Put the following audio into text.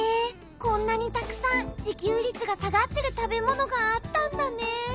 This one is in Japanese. こんなにたくさん自給率が下がってる食べ物があったんだね。